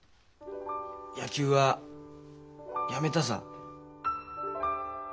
野球はやめたさ。